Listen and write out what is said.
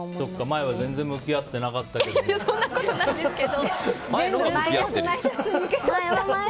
前は全然向き合ってなかったけども。